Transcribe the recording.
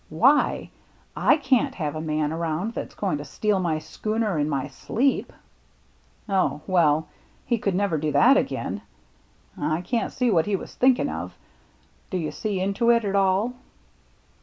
" Why ? I can't have a man around that's going to steal my schooner in my sleep." " Oh, well, he could never do that again. I can't see what he was thinking of. Do you see into it at all